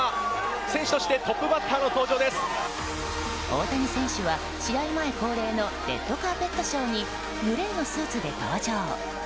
選手として大谷選手は試合前恒例のレッドカーペットショーにグレーのスーツで登場。